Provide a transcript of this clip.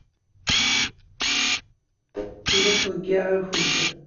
Ur la ttḍeyyiɛeɣ akud.